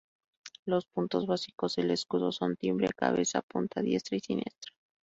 Los puntos básicos del escudo son timbre, cabeza, punta, diestra y siniestra.